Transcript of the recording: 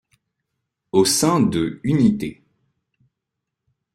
Au sein de Unité.